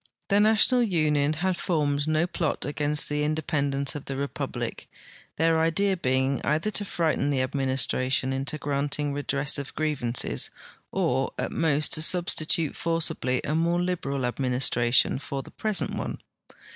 The National Union had formed no plot against the independ ence of the republic, their idea lieing either to frighten the ad ministration into granting redress of grievances or at most to substitute forcibly a more liberal administration for the present one.